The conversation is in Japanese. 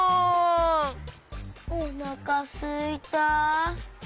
おなかすいた。